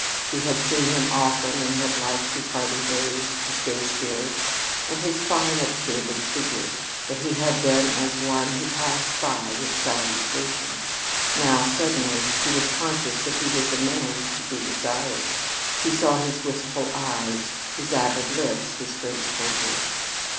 She had seen him often and had liked his hearty ways, his gay spirits, and his fine upstanding figure, but he had been as one who passed by with salutations. Now, suddenly, she was conscious that he was a man to be desired. She saw his wistful eyes, his avid lips, his great shoulders.